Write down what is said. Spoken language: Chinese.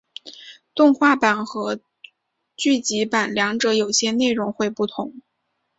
动画版和剧集版两者有些内容会不同。